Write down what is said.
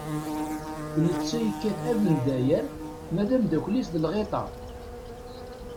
Netta yekkat abendayer, ma d ameddakel-is d lɣiṭa.